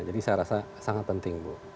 jadi saya rasa sangat penting bu